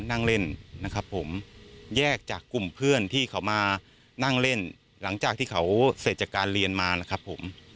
นั่งเล่นนะครับผมแยกจากกลุ่มเพื่อนที่เขามานั่งเล่นหลังจากที่เขาเสร็จจากการเรียนมานะครับผม